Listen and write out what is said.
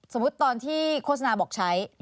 สมมุติตอนที่โฆษณาบอกใช้